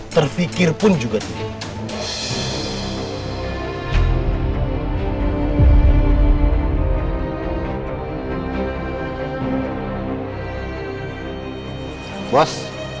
terpikir pun juga tidak